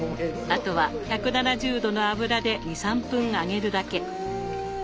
あとは１７０度の油で２３分揚げるだけ。